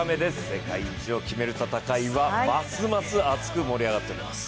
世界一を決める戦いはますます熱く盛り上がっています。